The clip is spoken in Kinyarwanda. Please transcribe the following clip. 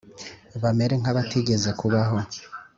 bamere nk’abatigeze kubaho!